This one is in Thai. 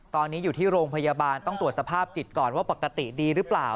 ตอนนี้อยู่ที่โรงพยาบาลต้องตรวจสภาพจิตก่อนว่าปกติดีหรือเปล่า